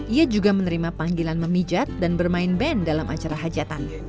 ia juga menerima panggilan memijat dan bermain band dalam acara hajatan